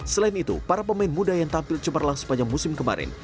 selain itu para pemain muda yang tampil cemerlang sepanjang musim kemarin